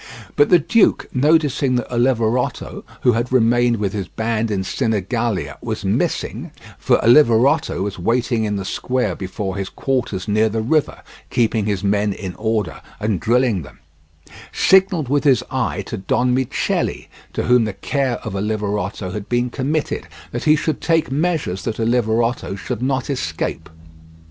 But the duke noticing that Oliverotto, who had remained with his band in Sinigalia, was missing—for Oliverotto was waiting in the square before his quarters near the river, keeping his men in order and drilling them—signalled with his eye to Don Michelle, to whom the care of Oliverotto had been committed, that he should take measures that Oliverotto should not escape.